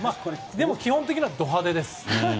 でも基本的にはド派手です。